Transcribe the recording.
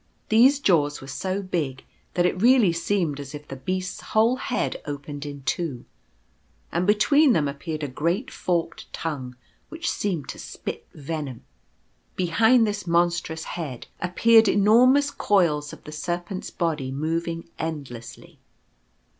These jaws were so big that it really seemed as if the beast's whole head opened in two ; and between them appeared a great forked tongue which seemed to spit venom. Behind this monstrous head appeared enormous coils of the Serpent's body moving endlessly.